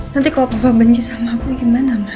nanti kalau papa benci sama aku gimana